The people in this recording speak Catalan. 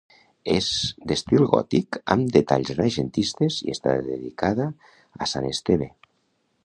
És d'estil gòtic amb detalls renaixentistes i està dedicada a Sant Esteve.